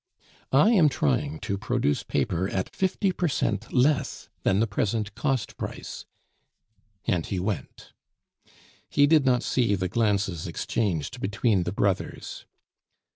"I am trying to produce paper at fifty per cent less than the present cost price," and he went. He did not see the glances exchanged between the brothers.